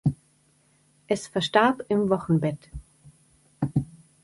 Es verstarb im Wochenbett.